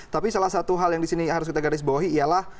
tapi salah satu hal yang harus kita garisbawahi disini adalah